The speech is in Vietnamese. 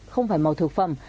không phải màu thực phẩm